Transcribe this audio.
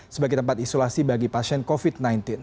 sebagai tempat isolasi bagi pasien covid sembilan belas